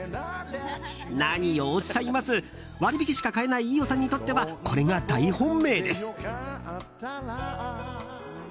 何をおっしゃいます割引しか買えない飯尾さんにとってはこれが大本命です。